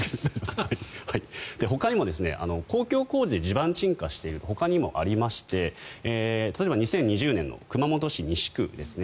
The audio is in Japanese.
ほかにも公共工事で地盤沈下しているほかにもありまして例えば、２０２０年の熊本市西区ですね。